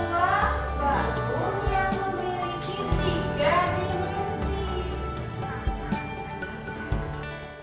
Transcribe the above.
sebuah bangun yang memiliki tiga dimensi